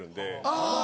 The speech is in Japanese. あぁ。